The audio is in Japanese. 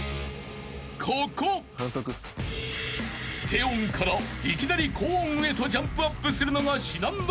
［低音からいきなり高音へとジャンプアップするのが至難の業］